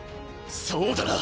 そうだな。